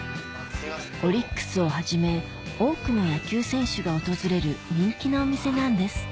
オリックスをはじめ多くの野球選手が訪れる人気のお店なんです